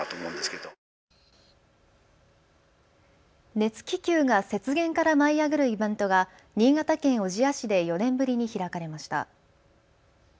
熱気球が雪原から舞い上がるイベントが新潟県小千谷市で４年ぶりに開かれました。